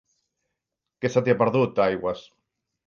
Què se t'hi ha perdut, a Aigües?